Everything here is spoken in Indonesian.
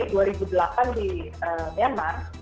dalam konstitusi dua ribu delapan di myanmar